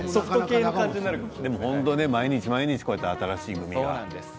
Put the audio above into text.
毎日毎日こうやって新しいグミが。